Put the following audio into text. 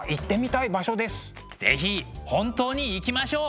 是非本当に行きましょう！